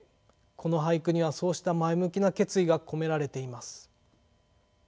この俳句にはそうした前向きな決意が込められています。